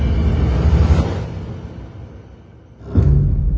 ที่สุดท้าย